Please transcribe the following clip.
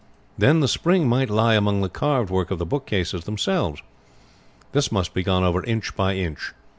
Then the spring might lie among the carved work of the bookcases themselves. This must be gone over inch by inch.